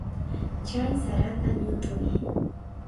Chay sarata ñut'uy.